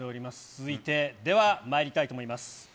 続いて、ではまいりたいと思います。